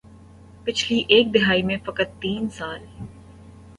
پچھلی ایک دہائی میں فقط تین سال